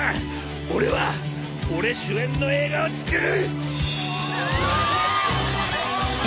俺は俺主演の映画を作る！